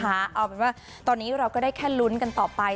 เอาเป็นว่าตอนนี้เราก็ได้แค่ลุ้นกันต่อไป